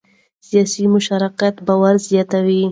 سیاسي مشارکت باور زیاتوي